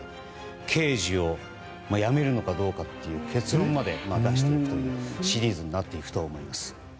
刑事を辞めるかどうかという結論まで出していくシリーズになっていくと思います。